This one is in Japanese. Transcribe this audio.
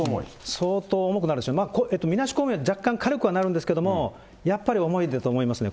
相当重くなるし、みなし公務員は若干軽くはなるんですけれども、やっぱり重いと思いますね。